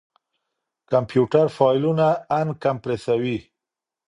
کمپيوټر فايلونه اَنکمپريسوي.